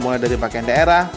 mulai dari pakaian daerah